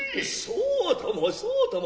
そうともそうとも。